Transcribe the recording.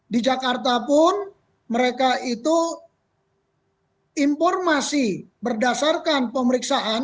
di jakarta pun mereka itu informasi berdasarkan pemeriksaan